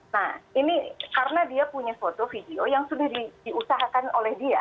nah ini karena dia punya foto video yang sudah diusahakan oleh dia